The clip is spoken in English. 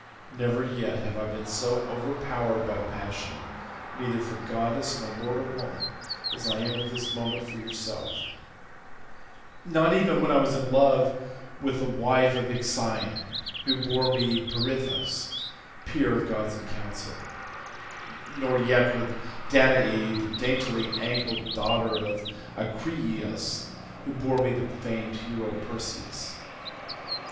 Never yet have I been so overpowered by passion neither for goddess nor mortal woman as I am at this moment for yourself—not even when I was in love with the wife of Ixion who bore me Pirithous, peer of gods in counsel, nor yet with Danae the daintily ancled daughter of Acrisius, who bore me the famed hero Perseus.